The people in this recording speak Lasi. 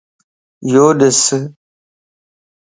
يوڏس